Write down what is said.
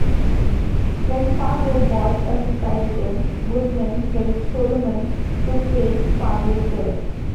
When Fargo botched a suicide attempt, Goodman helped Solomon to fake Fargo's death.